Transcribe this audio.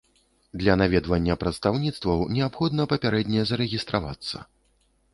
Для наведвання прадстаўніцтваў неабходна папярэдне зарэгістравацца.